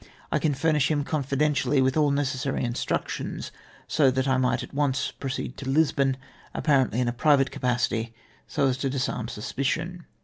I can furnish him confiden tially with all the necessary instructions, so that I might at once proceed to Lisbon, apparently in a private capacity, so as to disarm suspicion.